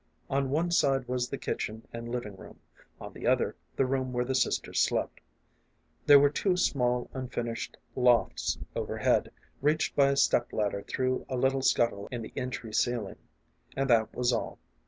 On one side was the kitchen and living room ; on the other, the room where the sisters slept. There were two small unfinished lofts overhead, reached by a step lad der through a little scuttle in the entry ceiling: and that was all.